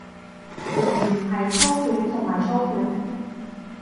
而唔係操卷同埋操卷